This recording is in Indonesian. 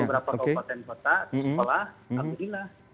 tidak ada beberapa kompeten kota di sekolah alhamdulillah